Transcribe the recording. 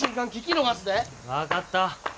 分かった。